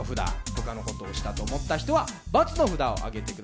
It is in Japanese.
ほかのことをしたと思った人は×の札を上げてください。